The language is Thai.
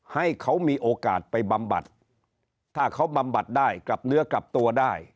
ให้เขามีโอกาสไปบำบัดถ้าเขาบำบัดได้กลับเนื้อกลับตัวได้